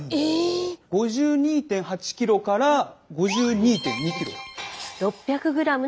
５２．８ｋｇから５２．２ｋｇ。